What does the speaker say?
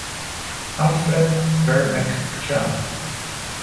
Al'fred Ter-Mkrtčjan